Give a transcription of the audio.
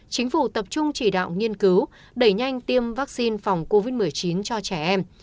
chính phủ tập trung chỉ đạo nghiên cứu đẩy nhanh tiêm vaccine phòng covid một mươi chín cho trẻ em